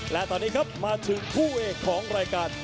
และตอนนี้ครับมาถึงคู่เอกของรายการ